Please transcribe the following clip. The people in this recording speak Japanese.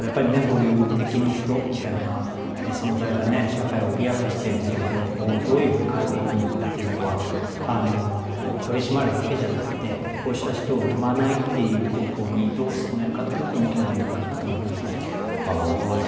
ただこういう無敵の人みたいな存在が社会をおびやかしている状況をどういうふうに変えていくのかというのは取り締まるだけではなくてこうした人を生まないという方向にどう進めるかというのも大きな問題かなと思います。